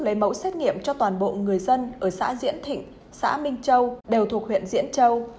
lấy mẫu xét nghiệm cho toàn bộ người dân ở xã diễn thịnh xã minh châu đều thuộc huyện diễn châu